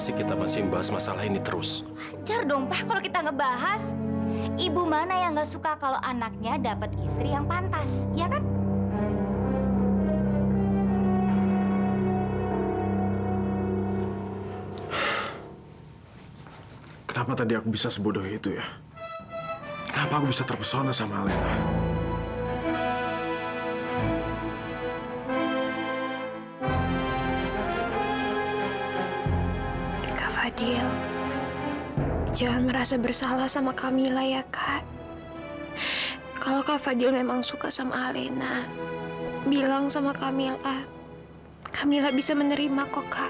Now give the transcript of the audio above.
sampai jumpa di video selanjutnya